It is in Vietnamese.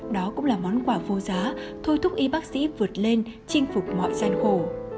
đó cũng là món quà vô giá thôi thúc y bác sĩ vượt lên chinh phục mọi gian khổ